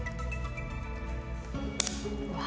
うわ。